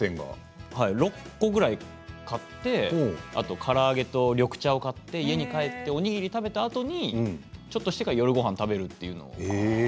はい６個ぐらい買ってあとから揚げと緑茶を買って家に帰っておにぎり食べたあとにちょっとしてから夜ごはん食べるっていうのを。